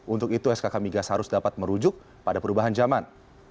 untuk itu skk migas harus dapat merujuk pada perubahan zaman